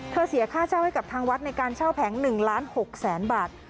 เสียค่าเช่าให้กับทางวัดในการเช่าแผง๑ล้าน๖แสนบาท